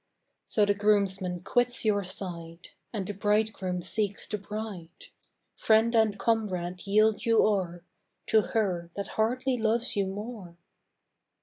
So the groomsman quits your side And the bridegroom seeks the bride: Friend and comrade yield you o'er To her that hardly loves you more.